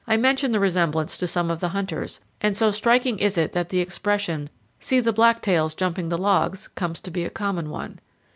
141 mention the resemblance to some of the hunters, and so striking is it that the expression, "See the blacktails jumping the logs," comes to be a common one.